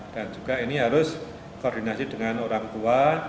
dan juga ini harus koordinasi dengan orang tua